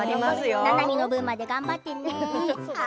ななみの分まで頑張ってね。